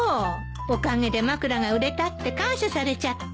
おかげで枕が売れたって感謝されちゃった。